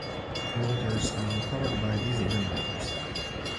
The motors are powered by diesel generators.